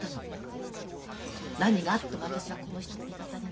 何があっても私はこの人の味方になろう。